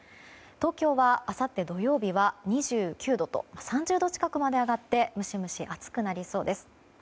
東京はあさって土曜日は２９度と３０度近くまで上がってムシムシ暑くなりそうです。